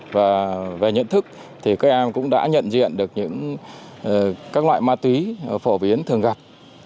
và về nhận thức thì các em cũng đã nhận diện được những loại ma túy phổ biến thường gặp